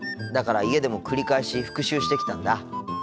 だから家でも繰り返し復習してきたんだ。